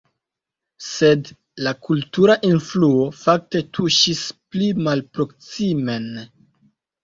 Sed la kultura influo fakte tuŝis pli malproksimen.